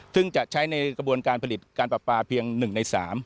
ซึ่งจะใช้ในกระบวนการผลิตการปรับปลาเพียง๑ใน๓